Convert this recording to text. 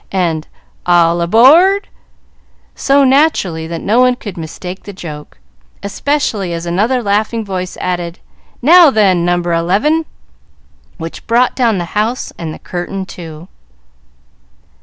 and "All aboard!" so naturally that no one could mistake the joke, especially as another laughing voice added, "Now, then, No. 11!" which brought down the house and the curtain too.